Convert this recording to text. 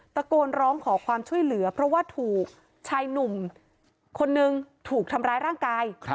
ตะโกนร้องขอความช่วยเหลือเพราะว่าถูกชายหนุ่มคนนึงถูกทำร้ายร่างกาย